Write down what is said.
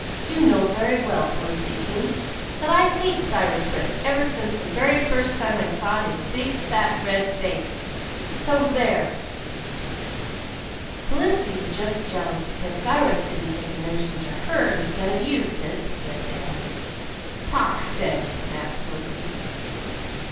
"You know very well, Felicity King, that I hated Cyrus Brisk ever since the very first time I saw his big, fat, red face. So there!" "Felicity is just jealous because Cyrus didn't take a notion to her instead of you, Sis," said Dan. "Talk sense!" snapped Felicity.